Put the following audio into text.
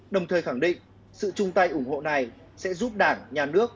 đồng thời khẳng định sự chung tay ủng hộ này sẽ giúp đảng nhà nước